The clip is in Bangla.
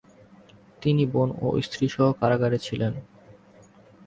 তিনি বোন ও স্ত্রীসহ কারাগারে ছিলেন।